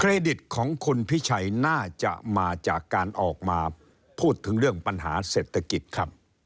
ดิตของคุณพิชัยน่าจะมาจากการออกมาพูดถึงเรื่องปัญหาเศรษฐกิจครับ